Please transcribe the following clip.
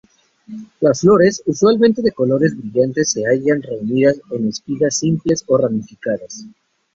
Las flores, usualmente de colores brillantes, se hallan reunidas en espigas simples o ramificadas.